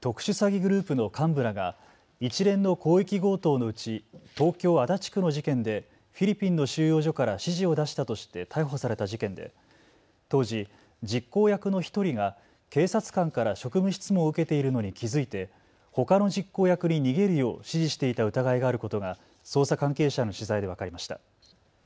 特殊詐欺グループの幹部らが一連の広域強盗のうち東京足立区の事件でフィリピンの収容所から指示を出したとして逮捕された事件で当時、実行役の１人が警察官から職務質問を受けているのに気付いて、ほかの実行役に逃げるよう指示していた疑いがあることが捜査関係者への取材で分かりました。